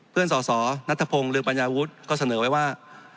สสนัทพงศ์เรืองปัญญาวุฒิก็เสนอไว้ว่า